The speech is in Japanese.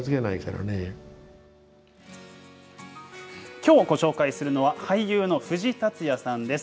きょう、ご紹介するのは俳優の藤竜也さんです。